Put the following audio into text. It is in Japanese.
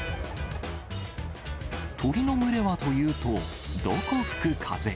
鳥の群れはというと、どこ吹く風。